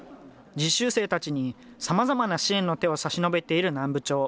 実習生たちにさまざまな支援の手を差し伸べている南部町。